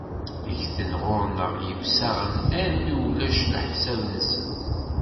Ggten ɣur-neɣ yemsaɣen armi ulac leḥsab-nsen.